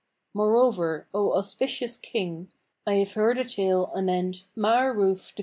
Moreover, O auspicious King, I have heard a tale anent End of Volume 9.